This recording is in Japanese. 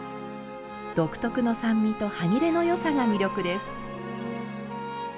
独特の酸味と歯切れの良さが魅力です。